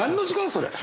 それ。